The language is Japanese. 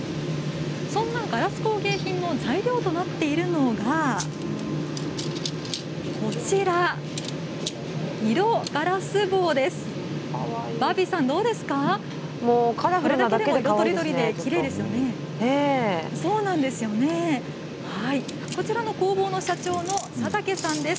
そんなガラス工芸品の材料となっているのがこちらの色ガラス棒です。